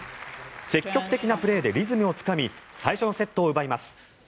積極的なプレーでリズムをつかみ最初のセットを奪います。